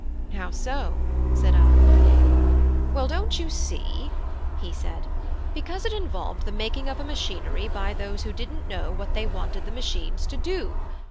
"How so?" said I. "Well, don't you see," said he, "because it involved the making of a machinery by those who didn't know what they wanted the machines to do.